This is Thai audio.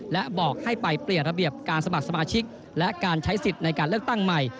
และบอกให้ไปเปลี่ยนระเบียบการสมัครสมาชิกและการใช้สิทธิ์ในการเลือกตั้งใหม่